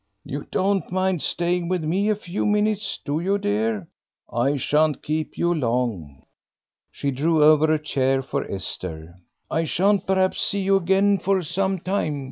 "You don't mind staying with me a few minutes, do you, dear? I shan't keep you long." She drew over a chair for Esther. "I shan't perhaps see you again for some time.